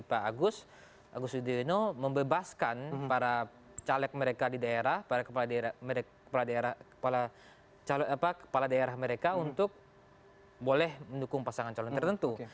pak agus agus yudhoyono membebaskan para caleg mereka di daerah para kepala daerah kepala daerah mereka untuk boleh mendukung pasangan calon tertentu